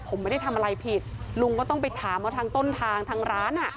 ผมไม่ได้ทำอะไรผิดลุงก็ต้องไปถามว่าทางต้นทางทางร้านอ่ะ